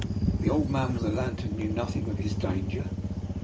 The old man with the lantern knew nothing of his danger.